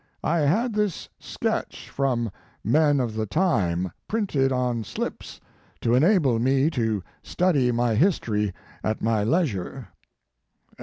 I had this sketch from "Men of the Time" printed on slips to enable me to study my history at my leisure.